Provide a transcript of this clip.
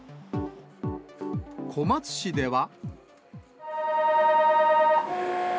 小松市では。